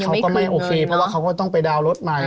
เขาก็ไม่โอเคเพราะว่าเขาก็ต้องไปดาวน์รถใหม่